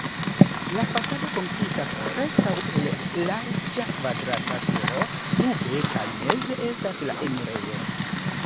La fasado konsistas preskaŭ el larĝa kvadrata turo, sube kaj meze estas la enirejo.